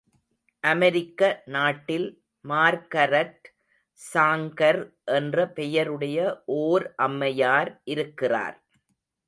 அமெரிக்க நாட்டில் Margaret Sanger என்ற பெயருடைய ஓர் அம்மையார் இருக்கிறார்.